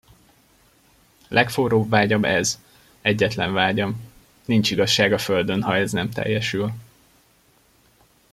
Legforróbb vágyam ez, egyetlen vágyam, nincs igazság a földön, ha ez nem teljesül.